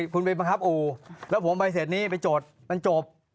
คุณไปบังคับอู่แล้วผมใบเสร็จนี้ไปจดมันจบ